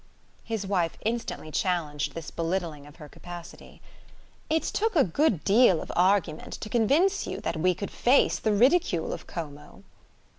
His wife instantly challenged this belittling of her capacity. "It took a good deal of argument to convince you that we could face the ridicule of Como!"